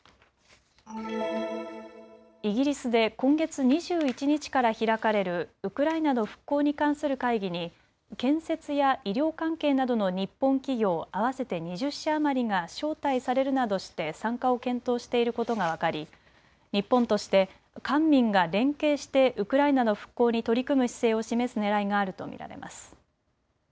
イギリスで今月２１日から開かれるウクライナの復興に関する会議に建設や医療関係などの日本企業合わせて２０社余りが招待されるなどして参加を検討していることが分かり日本として官民が連携してウクライナの復興に取り組む姿勢を示すねらいがあると見られます。